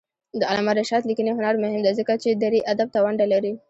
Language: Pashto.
د علامه رشاد لیکنی هنر مهم دی ځکه چې دري ادب ته ونډه لري.